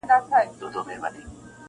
• ازل یوازي زما قلم ته دی ستا نوم ښودلی -